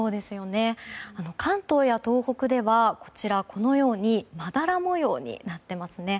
関東や東北ではこのようにまだら模様になってますね。